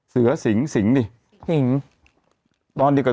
ถึงสิกนะ